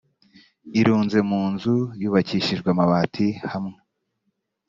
irunze mu nzu yubakishije amabati hamwe